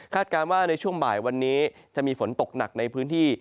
การว่าในช่วงบ่ายวันนี้จะมีฝนตกหนักในพื้นที่